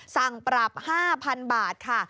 สั่งปรับ๕๐๐๐บาทค่ะ